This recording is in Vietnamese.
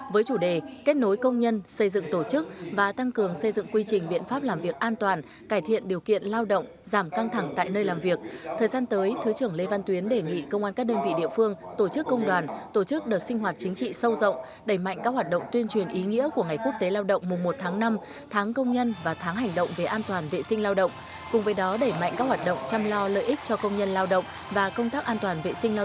với chủ đề kết nối công nhân xây dựng tổ chức và tăng cường xây dựng quy trình biện pháp làm việc an toàn cải thiện điều kiện lao động giảm căng thẳng tại nơi làm việc thời gian tới thứ trưởng lê văn tuyến đề nghị công an các đơn vị địa phương tổ chức công đoàn tổ chức đợt sinh hoạt chính trị sâu rộng đẩy mạnh các hoạt động tuyên truyền ý nghĩa của ngày quốc tế lao động mùa một tháng năm tháng công nhân và tháng hành động về an toàn vệ sinh lao động cùng với đó đẩy mạnh các hoạt động chăm lo lợi ích cho công nhân lao động và công tác an toàn v